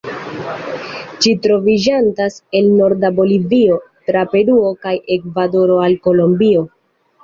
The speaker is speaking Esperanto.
Ĝi troviĝantas el norda Bolivio, tra Peruo kaj Ekvadoro al Kolombio.